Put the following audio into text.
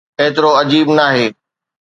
ايترو عجيب ناهي.